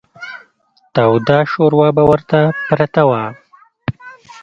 توده شوروا به ورته پرته وه.